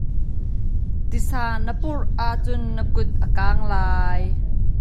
Tisa na purh ahcun na kut a kaang lai.